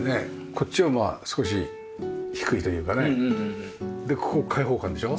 こっちは少し低いというかねでここ開放感でしょ？